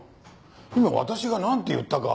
今私がなんて言ったか。